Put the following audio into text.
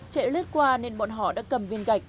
chạy lướt qua nên bọn họ đã cầm viên gạch